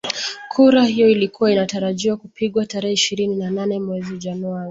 Kura hiyo ilikuwa inatarajiwa kupigwa tarehe ishirini na nane mwezi Januari